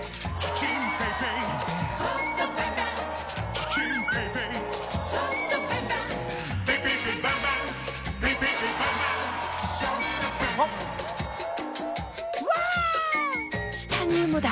チタニウムだ！